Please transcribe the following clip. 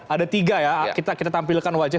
ada tiga ya kita tampilkan wajah